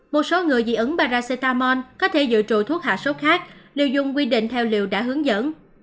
một số người dị ứng paracetamol có thể dự trụ thuốc hạ sốt khác liều dùng quy định theo liều đã hướng dẫn